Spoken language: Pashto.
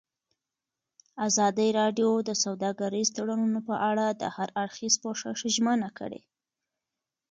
ازادي راډیو د سوداګریز تړونونه په اړه د هر اړخیز پوښښ ژمنه کړې.